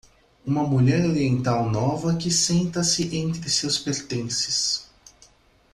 Uma mulher oriental nova que senta-se entre seus pertences.